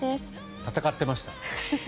戦ってました。